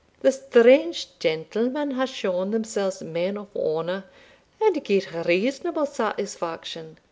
The strange gentlemen have shown themselves men of honour, and gien reasonable satisfaction.